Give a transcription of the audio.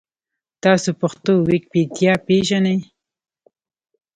تاسو پښتو ویکیپېډیا پېژنۍ؟